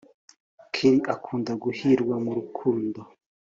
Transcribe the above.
Kelly akunda guhirwa mu rukundo